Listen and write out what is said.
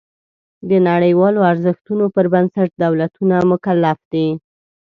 د نړیوالو ارزښتونو پر بنسټ دولتونه مکلف دي.